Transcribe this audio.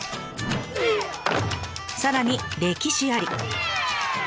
さらに歴史あり。